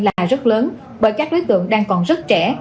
là rất lớn bởi các đối tượng đang còn rất trẻ